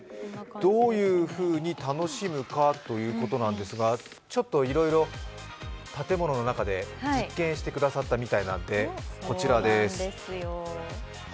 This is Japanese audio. どういうふうに楽しむかということなんですが、ちょっと建物の中で実験してくださったみたいなので、こちらです。